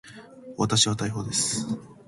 私は大砲です。